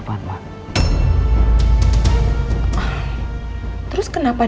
meng tank breakfast